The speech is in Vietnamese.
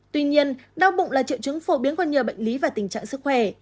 tuy nhiên đau bụng là triệu chứng phổ biến của nhiều bệnh lý và tình trạng sức khỏe